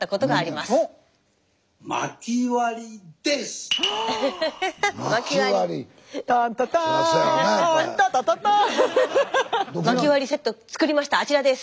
まき割りセットつくりましたあちらです。